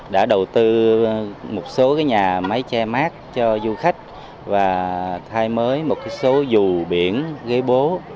đã đầu tư một số nhà máy che mát cho du khách và thay mới một số dù biển ghế bố